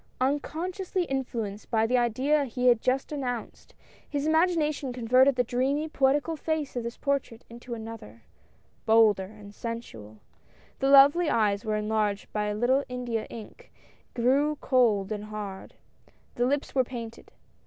Unconsciously influenced by the idea he had just announced, his imagination con verted the dreamy, poetical face of this portrait into another — bolder and sensual. The lovely eyes were enlarged by a little India ink, and grew cold and hard. The lips were painted.